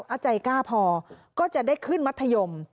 แล้วอาจ่ายกล้าพอก็จะได้ขึ้นมัธยม